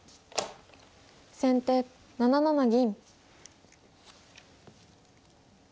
先手７七銀。